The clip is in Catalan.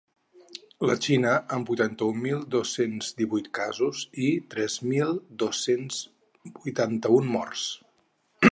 La Xina, amb vuitanta-un mil dos-cents divuit casos i tres mil dos-cents vuitanta-un morts.